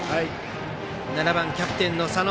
７番、キャプテンの佐野。